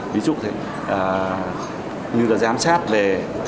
ví dụ như giám sát về